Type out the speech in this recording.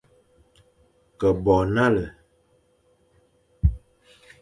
Ke bo nale,